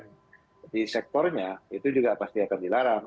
jadi sektornya itu juga pasti akan dilarang